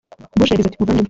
Bush yagize ati “Muvandimwe